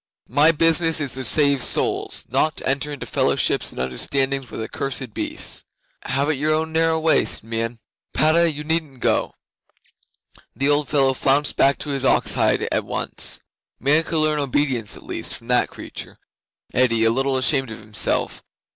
"My business is to save souls, not to enter into fellowships and understandings with accursed beasts." '"Have it your own narrow way," said Meon. "Padda, you needn't go." The old fellow flounced back to his ox hide at once. '"Man could learn obedience at least from that creature," said Eddi, a little ashamed of himself.